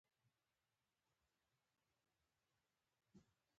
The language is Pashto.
اختلاف ښایستګي، دلچسپي او ورورولي ده.